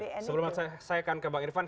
sebelum saya akan ke bang irvan